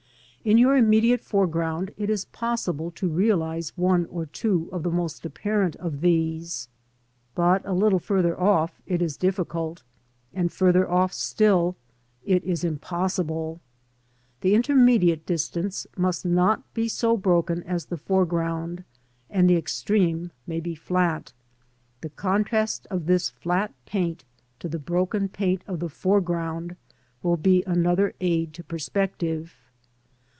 In your immediate foreground it is possible to realise one or two of the most apparent of these, but a little further off it is difficult, and further off still it is impossible. The intermediate distance must not be so broken as the foreground, and the extreme may be flat. The contrast of this flat paint to the broken paint of the foreground will be another aid to perspective.